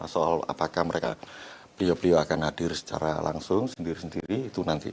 soal apakah mereka beliau beliau akan hadir secara langsung sendiri sendiri itu nanti